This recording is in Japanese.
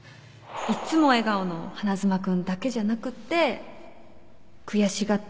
いつも笑顔の花妻君だけじゃなくって悔しがってる